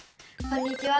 こんにちは！